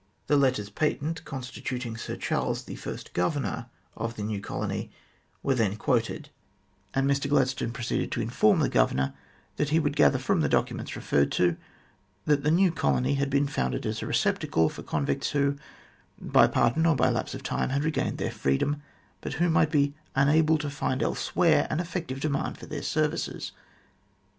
The letters patent constituting Sir Charles the first Governor of the new colony were then quoted, and Mr Gladstone proceeded to inform the Governor that he would gather from the documents referred to, that the new colony had been founded as a receptacle for convicts who, by pardon or by lapse of time, had regained their freedom, but who might be unable to find elsewhere an effective demand for their services.